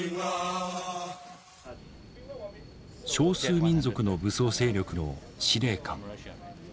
少数民族の武装勢力の司令官。